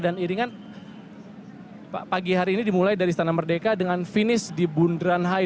dan ini kan pagi hari ini dimulai dari istana merdeka dengan finish di bundranhai